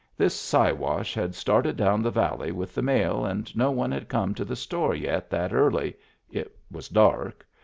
The Si wash had started down the valley with the mail and no one had come to the store yet that early — it was dark.